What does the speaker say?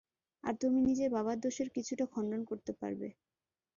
আর তুমি নিজের বাবার দোষের কিছুটা খণ্ডন করতে পারবে।